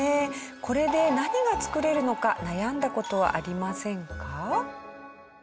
これで何が作れるのか悩んだ事はありませんか？